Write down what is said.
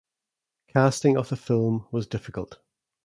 Casting of the film was difficult.